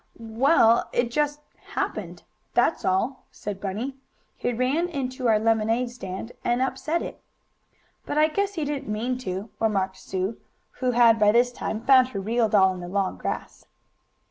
"Well, it just happened that's all," said Bunny. "He ran into our lemonade stand, and upset it." "But I guess he didn't mean to," remarked Sue, who had, by this time, found her real doll in the long grass.